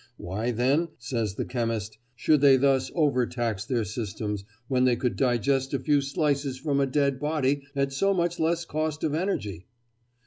Why, then, says the chemist, should they thus over tax their systems, when they could digest a few slices from a dead body at so much less cost of energy?